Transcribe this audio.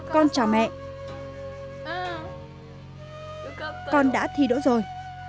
con chào mẹ con đã thi đỗ rồi